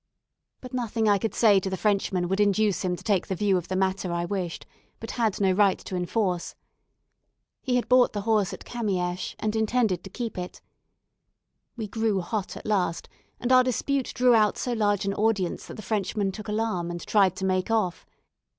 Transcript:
But nothing I could say to the Frenchman would induce him to take the view of the matter I wished, but had no right to enforce. He had bought the horse at Kamiesch, and intended to keep it. We grew hot at last; and our dispute drew out so large an audience that the Frenchman took alarm, and tried to make off.